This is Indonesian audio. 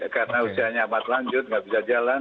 karena usianya amat lanjut nggak bisa jalan